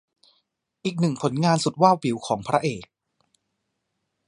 อีกหนึ่งผลงานสุดวาบหวิวของพระเอก